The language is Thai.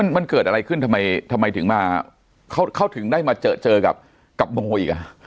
มันเกิดอะไรขึ้นทำไมถึงมาเขาถึงได้มาเจอกับโมอีก